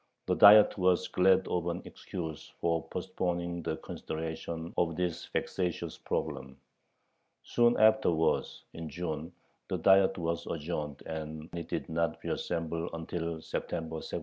The Diet was glad of an excuse for postponing the consideration of this vexatious problem. Soon afterwards, in June, the Diet was adjourned, and it did not reassemble until September, 1791.